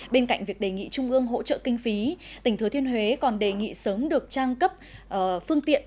bên cạnh việc đề nghị trung ương hỗ trợ kinh phí tỉnh thừa thiên huế còn đề nghị sớm được trang cấp phương tiện